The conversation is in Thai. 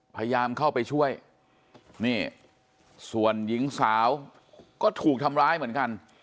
พยายามเข้าไปช่วยนี่ส่วนหญิงสาวก็ถูกทำร้ายเหมือนกัน